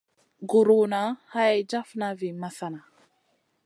Guruna hay jafna vi masana.